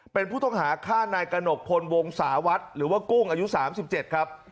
เป็นผู้ต้องหาฆ่านายกระหนกพลวงศาวัฒน์หรือว่ากุ้งอายุ๓๗ครับ